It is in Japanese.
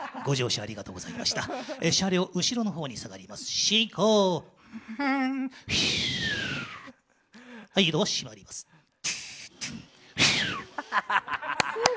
車両、後ろのほうに下がります。